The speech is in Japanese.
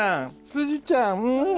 すずちゃんん！